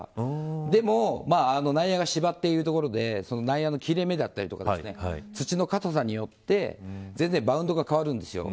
でも内野が芝というところで内野の切れ目だったり土の硬さによって全然バウンドが変わるんですよ。